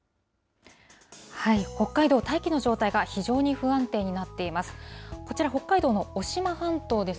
北海道、大気の状態が非常に不安定になっています。